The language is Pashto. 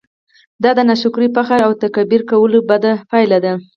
دا د ناشکرۍ، فخر او تکبير کولو بده پايله ده!